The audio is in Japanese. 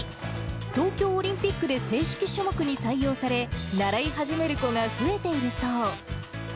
東京オリンピックで正式種目に採用され、習い始める子が増えているそう。